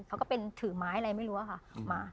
เขาก็เป็นถือไม้อะไรไม่รู้อะค่ะมา